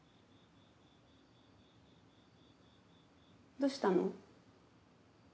どうしたの？